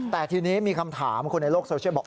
แต่ทีนี้มีคำถามคนในโลกโซเชียลบอก